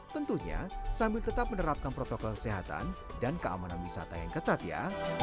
tentunya sambil tetap menerapkan protokol kesehatan dan keamanan wisata yang ketat ya